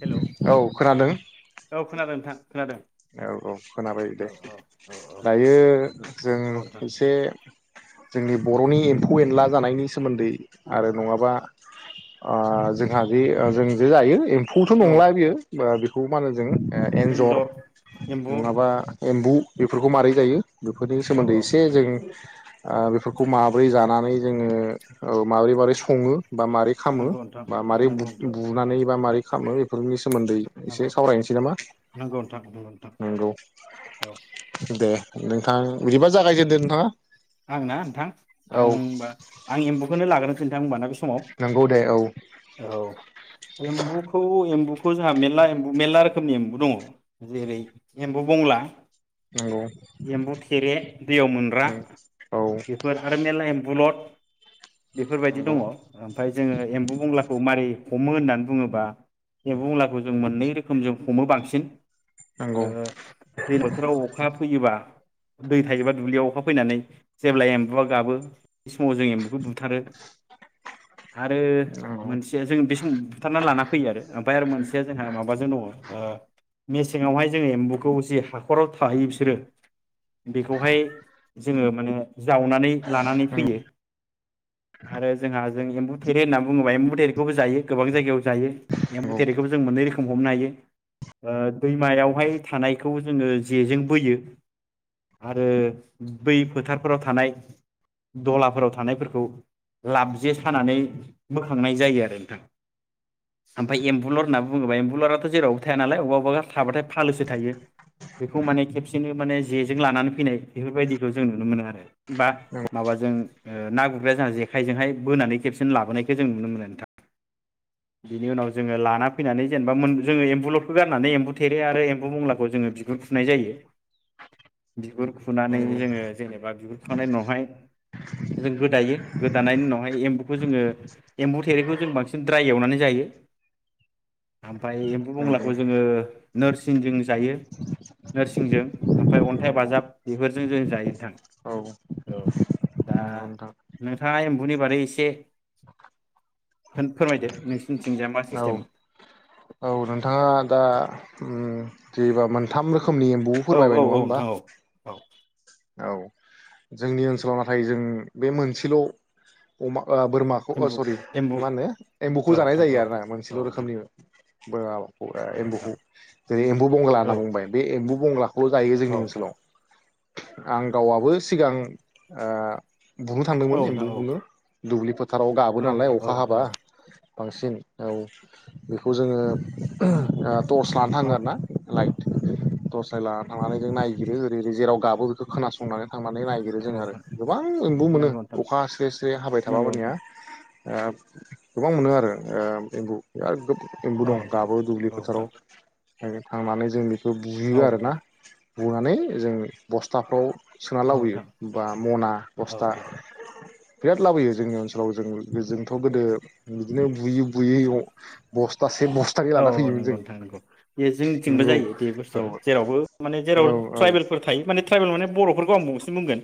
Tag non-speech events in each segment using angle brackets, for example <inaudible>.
हेल' औ खोनादों औ खोनादों नोंथां। खोनादों औ औ खोनाबाय दे औ औ औ औ दायो जों नोंथां एसे जोंनि बर'नि एम्फौ एनला जानायनि सोमोन्दै आरो नङाबा ओ जोंहा जे ओ जों बि जायो एम्फौथ' औ नंला बेयो बा बिखौ खौ मा होनो जों ए एन्ज'र एम्बु नङाबा एम्बु बेफोरखौ माबारै जायो बेफोरनि औ सोमोन्दै औ एसे जों ओ बेफोरखौ माबोरै जानानै जोङो माबोरै-माबोरै सङो बा मारै खामो नंगौ नोंथां बा मारै नंगौ नोंथां बुनानै बा मारै खामो बेफोरनि सोमोन्दै एसे नंगौ सावरायनोसै नामा नंगौ नोंथां नंगौ नोंथां नंगौ औ दे नोंथां बिदिबा जागायग्रोदो नोंथाङा आंना नोंथां आं औ होमबा आं एम्बौखौनो लाग्रोनो नोंथां होनबाना बिस समाव नंगौ दे औ औ एम्बुखौ एम्बु एम्बुखौ जोंहा मेरला एम्बु मेरला रोखोमनि एम्बु दङ जेरै एम्बौ बंला नंगौ एम्बु थेरे दैयाव मोनग्रा औ बेफोर आरो मेरला एम्बु बद बेफोरबायदि नंगौ दङ ओमफ्राय जोङो एम्बु बंलाखौ मारै हमो होननानै बुङोबा जे बुंलाखौ जों मोननै रोखोम जों हमो बांसिन ओ नंगौ दै बोथोराव अखा फैयोबा दै थायोबा दुब्लियाव अखा फैनानै जेब्ला एम्बुआ गाबो बे समाव जों एम्बौखौ बुथारो आरो नंगौ मोनसेया जों बे समाव बुथारना लाना फैयो आरो ओमफ्राय आरो मोनसेया जोंहा माबाजों दङ ओ मेसेङावहाय जोङो एम्बुखौ जि हाखराव थायो बिसोरो बेखौहाय जोङो माने जावनानै लानानै फैयो आरो जोंहा जों एम्बुथेरे होना बुंङोबा एम्बुथेरेखौबो जायो गोबां जायगायाव जायो नंगौ एम्बुथेरेखौबो जों मोननै रोखोम हमनो हायो ओ दैमायावहाय थानायखौ जोङो जेजों बोयो आरो बै फोथार फोराव थानाय दलाफोराव थानायफोरखौ लाब जे सानानै बोखांनाय जायो आरो नोंथां ओमफ्राय एम्बुलर होनना बुङोबा एम्बुलराथ' जेरावबो थाया नालाय बबेबा अबेबा थाबाथाय फालोसो थायो बेखौ माने खेबसेनो माने जेजों लानानै फैनाय बेफोरबायदिखौ जों नुनो मोनो आरो बा माबाजों ओ ना गुर ग्रा जोंहा जेखायजोंहाय बोनानै खेबसेनो लाबोनायखौ जों नुनो मोनो नोंथां बिनि उनाव जोङो लाना फैनानै जेनेबा मोन जोङो एम्बुलरखौ गारनानै एम्बु थेरे आरो एम्बु बंलाखौ जोङो बिगुर फुनाय जायो बिगुर फुनानै नंगौ जोङो जेनेबा बिगुर खुखांनायनि उनावहाय जों गोदायो गोदानायनि उनावहाय एम्बुखौ जोङो एम्बु थेरेखौ जों बांसिन द्राय एवनानै जायो ओम फ्राय एम्बु नंगौ बंलाखौ जोङो नोरसिंजों जायो नोरसिंजों ओमफ्राय अन्थाइ नंगौ बाजाब बेफोरजों जों जायो नोंथां औ औ दा नंगौ नोंथां नोंथाङा एम्बुनि बारै ए से खोन फोरमायदो नोंसि औ औ नोंथाङा दा उम जेबा मोनथाम रो खोमनि एम्बु औ औ फोरमायबाय नङा औ होमबा नोंथां औ औ औ जोंनि ओनसोलाव नाथाय जों बे मोनसेल' अमा बोरमाखौ एम्बु सरि एम्बु मा होनो औ एम्बुखौ जानाय नोंथां जायो औ आरो औ मोनसेल' नोंथां रोखोमनि बोआव औ <unintelligible> नोंथां एम्बुखौ जेरै एम्बु बंगला औ होनना बुंबाय बे एम्बु बंगलाखौ जायो जोंनि औ नोंथां ओनसोलाव आं गावआबो सिगां ओ बुनो थांदोंमोन औ एम्बु नोंथां औ बुनो दुब्लि फो थाराव गाबोन नालाय औ नोंथां औ अखा हाबा नोंथां बांसिन औ बेखौ जोङो गाब टर्चस लाना औ थाङो आरो ना नोंथां औ लाइट टर्स फोर लाना थांनानै जों नायगिरो ओरै ओरै जेराव गाबो बेखौ खोनासंनानै थांनानै नायागिरो जों नंगौ आरो नोंथां गोबां एमबु मोनो नंगौ नोंथां अखा स्रे स्रे हाबाय थाबा नंगौ मानिया नोंथां ओब गोबां मोनो उम आरो ओम एम्बु बिराद गोबु एम्बु औ दं नोंथां गाबो दुब्लि औ फोथाराव। नोंथां थांनानै जों बि खौ औ बुयो आरो ना। नोंथां बुनानै जों बस्थाफ्राव सोना औ लाबोयो नोंथां बा मना औ बस्था नोंथां बिराद लाबोयो जोंनि ओनसोलाव जों-जोंथ गोदो बिदिनो बुयो। बुयै अह बस्थास औ नंगौ नोंथां नंगौ बे जोंनिथिंबो नंगौ जायो बे औ बुस्थुआ जेरावबो माने जेराव औ औ ट्राइबेलफोर थायो माने ट्राइबेल माने बरफोरखौ आं बुंस बुंगोन।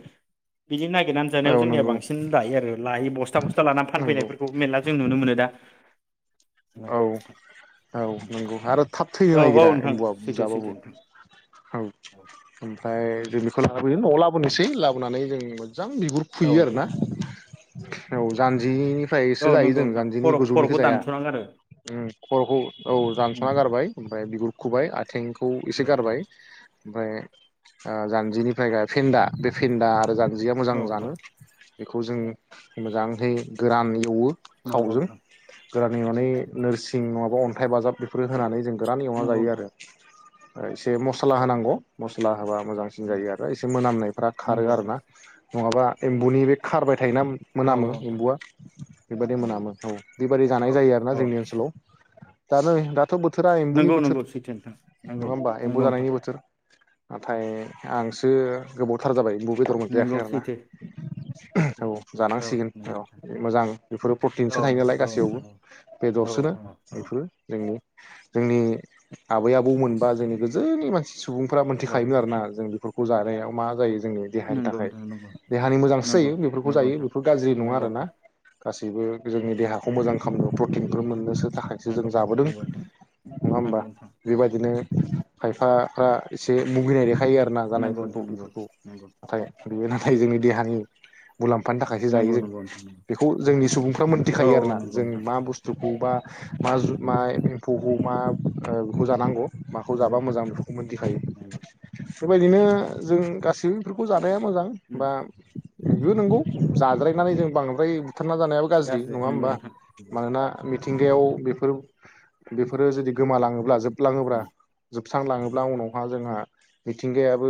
बिदि नागिरनानै औ जानायाव जोंनिया नंगौ बांसिन दायो आरो लायो बस बस्था बस्था लानानै नंगौ फानफैनायफोरखौ मेरला जों नुनो मोनो दा। औ। औ नंगौ आरो थाब थैनो औ नागिरा औ नोंथां एमबुआ सैथो सैथो बुजाबाबो नोंथां औ ओमफ्राय जों बेखौ लाना आरो नआव उम लाबोनोसै लाबोनानै जों मोजां बिगुर औ फुयो आर नोंथां ना। औ जान्जिनिफ औ निफ्रायसो जायो नंगौ जों नोंथां जानजिनि खर' खर'खौ गोजौनिखौ जाया। दानस'नांगौ आरो उम खरखौ औ उम दानसना गारबाय ओमफ्राय बिगुर खुबाय आथिंखौ औ एसे नोंथां गारबाय। ओमफ्राय ओ जान्जिनिफ्राय गाय फेन्दा बे फेन्दा मोजां जिया मोजां औ नोंथां जानो। बेखौ जों मोजांहै गोरान एवो। नंगौ थावजों नोंथां। गोरान एवनानै नोरसिं नङाबा अन्थाइ बाजाब बेफोर होनानै जों गोरान एवना नंगौ जायो नोंथां आरो। ओइ एसे मस्ला औ नोंथां होनांगौ मस्ला होबा मोजांसिन जायो नंगौ आरो एसे मोनामनायफ्रा खारो नंगौ आरो नोंथां ना नङाबा एम्बुनि बे खारबाय थायोना औ मोनामो नोंथां अम्बुआ बेबायदि मोनामो औ बेबादि औ जानाय जायो आरो ना औ जोंनि ओन नोंथां सोलाव दा नै हादान थ' बोथोरा एम्बुनि नंगौ बोथोर नंगौ सैथो नोंथां नंगौ नङा होमबा एम्बु नंगौ नोंथां जानायनि बोथोर नाथाय आंसो गोबावथार जाबाय। बेदर नंगौ मोनजायाखै आरोना सैथो औ सैथो औ जानांसिगोन नंगौ औ नोंथां मोजां बेफोरो औ प्रटिनसो थायो नालाय नोंथां औ गासैयावबो। नोंथां औ औ बेदरसो रा नोंथां औ बेफोर जोंनि जोंनि आबै आबौ मोनबा जोंनि गोजोनि मानसि सुबुंफ्रा औ मोनथिखायोमोन नोंथां आरोना जों बेफोरखौ खौ जानायाव मा जायो जोंनि देहानि नंगौ थाखाय नोंथां नंगौ देहानि मोजांसो जायो बेफोरखौ नंगौ नंगौ जायो नोंथां बेफोर गाज्रि नङा नंगौ आरोना। गासैबो जोंनि देहाखौ मोजां खालामनो प्र प्रटिन मोननो सो थाखायसो जों नोंथां नंगौ जाबोदों नोंथां नङा होमबा बेबायदिनो खायफाफ्रा एसे मुगैनाय दे खायो आरो ना नंगौ जानायफोरखौ नोंथां नंगौ नोंथां नंगौ बेफोरखौ नाथाय बेयो नाथाय जोंनि देहानि मुलाम्फानि थाखायसो जायो जों नंगौ नंगौ नोंथां नंगौ बेखौ जोंनि सुबुंफ्रा औ मोनथिखायो औ आरोना नंगौ जों नोंथां मा बुस्थु खौ बा मा मा एम्फौखौ मा बेखौ जानांगौ। माखौ नंगौ जाबा नोंथां मोजां बेफोरखौ मोनथिखायो। नंगौ बेफोरबायदिनो जों गासैबो बेफोरखौ जाना नाया मोजां उम बा बेबो नंगौ जाद्रायनानै जों बांद्राय बुथारना जानायाबो गाज्रि नङा नंगौ होमबा? नोंथां नंगौ मानोना मिथिंगायाव बेफोर बेफोरो जुदि गोमालाङोब्ला जोब लाङोब्रा उम जोब स्रांलाङोब्ला उनावहा जोंहा मिथिंगायाबो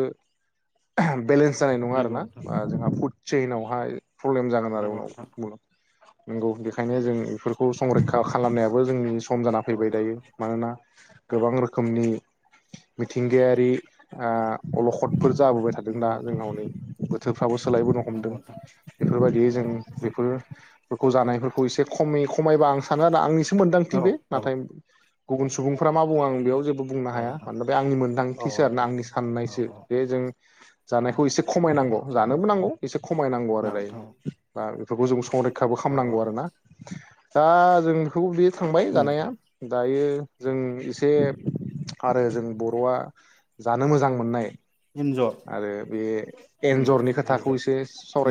बेलेन्स जानाय नङा नंगौ आरोना नोंथां आ जोंहा फुद चैनावहाय प्रब्लेम जागोन आरो नंगौ उनाव नोंथां बुं नंगौ बेखायनो औ जों बेफोरखौ संरैखा खालामनायाबो जोंनि खम जाना औ फैबाय दायो मानोना गोबां रोखोमनि मिथिंगायारि आ अलखदफोरजों जाबोबाय थादों दा नंगौ नोंथां जोंनाव नै फ्राबो सोलायबोनो हमदों नंगौ नोंथां बेफोरबायदि बेै जों बेफोरखौ जानायफोरखौ एसे खमै खम खमायबा आं सानो आरो आंनिसो मोन्दांथि औ बे औ नाथाय गुबुन सुबुंफ्रा मा बुङो आं बेयाव जे बुंनो औ हाया नोंथां मानोन बे आंनि औ मोन्दांथिसो आरो ना नोंथां आंनि औ साननायसो औ बेे जों जानायखौ एसे खमायनांगौ जानोबो नांगौ एसे खमायनांगौ आरो दायो नोंथां दा फोरखौ जों संरै खाबो औ औ खामनांगौ औ आरोना दा जों बेखौ जे थांबाय उम जानाया नोंथां दायो जों एसे आरो जों बर'आ जानो मोजां मोननाय एन्जर आरो बे उम एन्जरनि खोथाखौ एन्जर एसे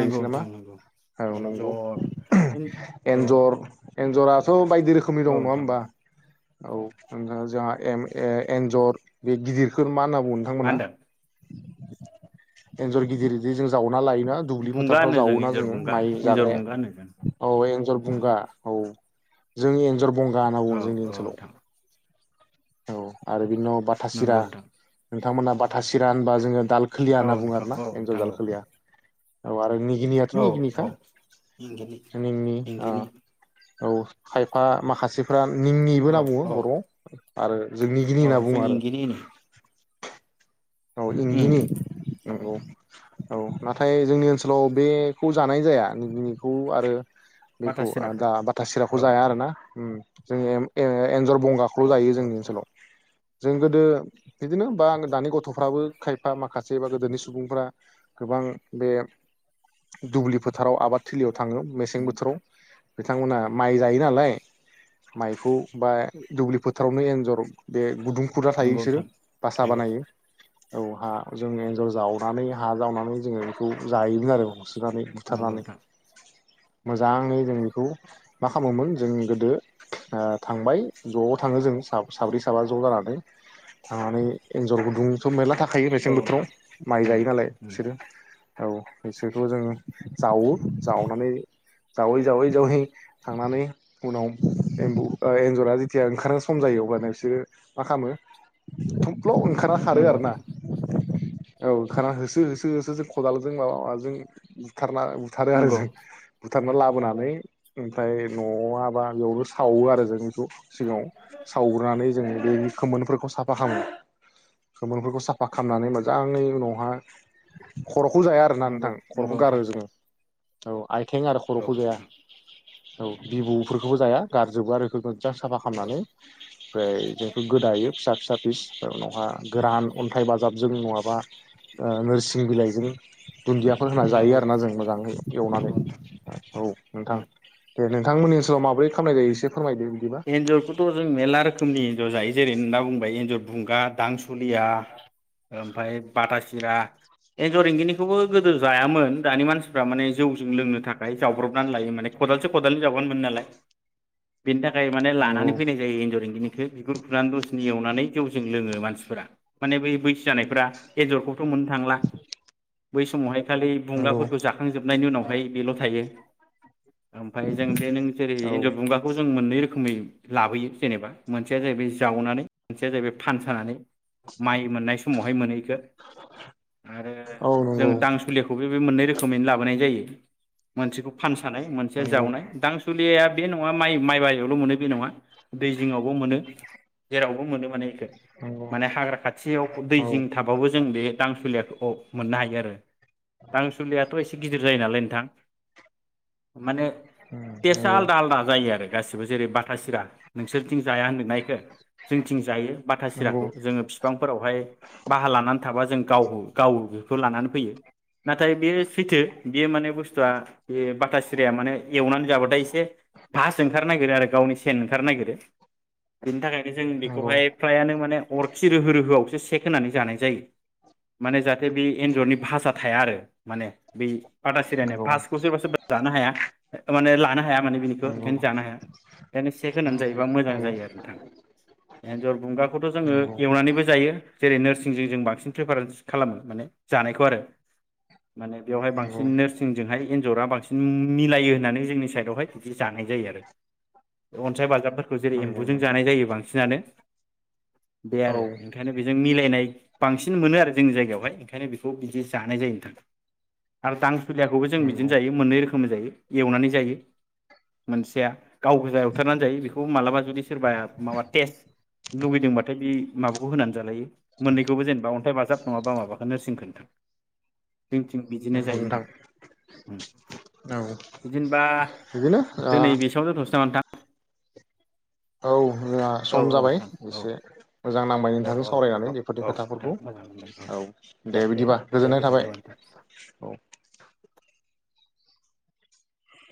नंगौ नामा नोंथां नंगौ औ नोंगौ एन्जर उम औ एन्जर एन्जराथ' बायदि रोखोमनि औ दं नङा नोंथां औ होमबा? औ नोंथां जोंहा एम ए एन्जर बे गिदिरखौ मा होनना बुङो मा नोंथांमोना? होनदों एन्जर गिदिर जे जों जावो ना लायोना दुब्लि बुंगा फोथारफ्राव होनो जों जावोना एन्जर जोङो बुंगा माइ एन्जर जाग्राया। बुंगा होनो जों औ एन्जर उम बुंगा। औ जों एन्जर बंगा होनना बुङो औ जोंनि ओनसोलाव। नोंथां औ आरो बिनि उनाव बाथासिरा नंगौ नोंथां थांमोना बाथासिरा होनबा जोङो दाल खोलिया होनना औ बुङो नोंथां आरोना औ एन्जर नोंथां जाल औ खोलिया। औ आरो नि गिनियाथ' औ निगिनिखा औ एंगिनि मानि मि आ एंगिनि औ खायफा माखासेफ्रा निंनिबो होनना औ बुङो औ बर'वाव। आरो जों निगिनि औ होनना जों बुङो आरो। इंगिनिनो औ उम इंगिनि। औ नोंगौ। औ नाथाय जोंनि ओनसोलाव बे खौ जानाय जाया निगिनिखौ आरो बाथा बेखौ आ सिराखो दा बाथा सिराखौ औ जाया नोंथां आरोना। उम जोंङो ए-एनजर औ बंगाखौल' जायो औ जोंनि औ ओनसोलाव। जों गोदो बिदिनो बा आङो दानि गथ' फ्राबो खायफा माखासे बा गोदोनि सुबुंफ्रा गोबां बे दुब्लि फोथाराव आबाद थिलियाव थाङो मेसें उम बोथोराव बिथांमोना माइ जायो नालाय माइखौ बा दुब्लि फोथारावनो एन्जर बे गुदुं खुरना थायो नंगौ इसोरो नोंथां बासा नंगौ बानायो। औ हा जों एन्जर जावनानै हा जावनानै जोङो बेखौ जायोमोन आरो। सुुनानै नंगौ बुथारनानै। नोंथां मोजाङै जों बेखौ मा खामोमोन जोंनि गोदो ओ थांबाय ज' थाङो जों सा‌-साब्रै साबा ज' जानानै थांनानै एन्जर गुदुं थ मेरला था खायो औ मेसें बोथोराव नोंथां माइ उम जायो नालाय उम बिसोरो। औ बिसोरखौ जोङो जावो जावनानै जावै जावै जावै थांनानै उनाव एम्बु ओ एन्जरा जेथिया ओंखारनो सम जायो अब्लानो बिसोरो मा खामो थफ्ल' ओंखार नंगौ नोंथां। औ ओंखारना होसो होसो होसो जों खदालजों माबा माजों बुथारना बुथारो आरो नंगौ जों। बुथारना लाबोनानै ओमफ्राय न' आबा बेयावनो सावो आरो जों बेखौ औ सिगाङाव सावग्रोनानै जोङो बेनि खोमोनफोरखौ साफ फा खामो‌। खोमोरफोरखौ साफा खामनानै मोजाङै उनावहा खर'खौ जाया आरोना नंगौ नोंथां खर'खौ नंगौ नोंथां गारो जोङो। औ। आइथें आरो औ खर'खौ जाया। नोंथां औ औ बिबौफोरखौबो जाया गारजोबो आरो इफोरखो। मोजां साफा औ नंगौ खामनानै ओमफ्राय बेखौ गोदायो फिसा फिसा फिस ओमफ्राय उनावहा गोरान अन्थाइ बाजाबजों नङाबा ओ नोरसिं बिलाइजों दुन्दियाफोर होना जायो नंगौ आरोना जों मोजाङै एवनानै नंगौ नोंथां औ नोंथां। उम दे नोंथांमोननि ओनसोलाव माबोरै खालामनाय जायो एसे फोरमायदो बिदिबा एन्जरखौथ' जों मेरला रोखोमनि एन्जर जायो। जेरै होनना बुंबाय एन्जर बुंगा दां दुनिया ओ ओमफाय बाथा सिरा एन्जर एंगिनिखौबो गोदो जायामोन दानि मानसिफ्रा माने जौजों लोंनो थाखाय ओमफ्राय जाव्रबनानै लायो माने खदालसे खदालनै जावब्लानो मोनो नालाय। बेनि थाखाय खाय माने नंगौ लानानै फैनाय जायो एन्जर एंगिनिखौ बिगुर खुनानै दसनि एवनानै जौजों लोङो मानसिफोरा। माने बै बैसो जानायफ्रा एजरखौथ' मोननो थांला बै समावहाय खालि नंगौ बुंगाफोरखौ जाखांजोबनायनि उनावहाय बेल' थायो ओमफ्राय जों बे नों जेरै औ एन्जर बुंगाखौ जों मोननै रोख रोखोमै लाबोयो जेनेबा मोनसेया जाहैबाय जावनानै मोनसेया जाहैबाय फानसानानै माइ मोननाय समावहाय मोनो इखो आरो औ जों नंगौ दांसुलिखौबो बे मोननै रोखोमैनो लाबोनाय जायो मोनसेखौ फानसानाय मोनसे नंगौ जावनाय दांसुलियाया बे नङा माइ माइ बेयावल' मोनो बे नङा दै जिंङावबो मोनो जेरावबो मोनो माने नंगौ माने हाग्रा खाथियाव दै औ जिं थाबाबो जों बे दांसुलियाखौ मोननो हायो आरो दांसुलियाथ' एसे गिदिर जायो नालाय नोंथां। माने टेसआ नंगौ आलदा आलदा जायो आरो गासि बाथा सिरा नोंसोरथिं जाया होनदोंना इखो जोंनिथिं जायो। बाथा सिराखौ नंगौ जोंङो बिफांफोरावहाय बाहा लानानै थाबा जों गावहो गाव बेखौ लानानै फैयो। नाथाय बेयो सैथो बेयो माने बुस्थुआ बे बाथा सिराया माने एवनानै जाबाथाय एसे बा सों खार नागिरो आरो गावनि सेन ओंखार नागिरो बिनि थाखाय बे जों नंगौ बेखौहाय फ्रायानो माने अरखि रोहो रोहो आवसो सेक होनानै जानाय जायो माने जाहाथे बे एनजरनि भासआ थाया आरो माने बे बाथा सिरानिया नंगौ फासखौ सोरबा सोरबा जानो हाया माने लानो हाया माने बिनिखौ नंगौ ओंखायनो जानो हाया बिखायनो सेक होनानै औ जायोबा मोजां नंगौ जायो आरो नोंथां एनजर बुंगाखौथ' जोंङो नंगौ एवनानैबो जायो जेरै नोरसि जोंजों जों बांसिन प्रिफारेन्स खालामो माने जानायखौ आरो। माने बेवहाय बांसिन नंगौ नोरसिंजोंहाय एन्जरा बांसिन मिलायो होननानै जोंनि साइडआवहाय बिदि जानाय जायो आरो। अनसाय बाजाबफोरखौ जेरै एम्बुजों नंगौ जानाय जायो बांसिनानो बे औ आरो ओंखायनो बेजों मिलायनाय बांसिन मोनो आरो जोंनि जायगायावहाय ओंखायनो बेखौ बिदि जानाय जायो नोंथां आरो दांसुुलियाखौबो जों बिदिनो नंगौ जायो मोननै रोखोम जायो एवनानै जायो मोनसेया गाव गोजा एवथारनानै जायो बेखौ मालाबा जुदि सोरबा माबा टेस्ट लुुबैदोंबाथाय बे माबाखौ होनानै जालायो मोन्नैखौबो जेनेबा अन्थाइ बाजाब नङाबा माबाखौ नोरसिंखौ नोंथां जोंनिथिं बिदिनो जायो नोंथां। उम्म। औ बिदिनो ओ दिनै <unintelligible> औ। जोंना औ सम औ जाबाय नोंथां औ एसे मोजां नांबाय औ नोंथांजों औ औ सावरायनानै बेफोरनि औ नोंथां खोथाफोरखौ मोजां मोनदों औ दे बिदिबा दे गोजोननाय थाबाय गोजोनथाबाय नोंथां औ।